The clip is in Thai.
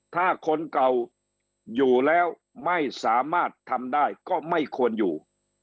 ถ้าคนเก่าอยู่แล้วไม่สามารถทำได้ก็ไม่ควรอยู่